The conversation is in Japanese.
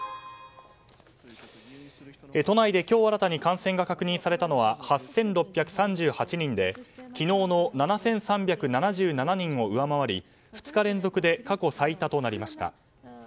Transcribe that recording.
都内で今日新たに感染が確認されたのは８６３８人で昨日の７３７７人を上回り２日連続で過去最多となりました。